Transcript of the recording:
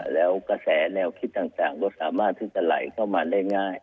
แล้วกระแสแนวคิดต่างก็สามารถที่จะไหลเข้ามาได้ง่าย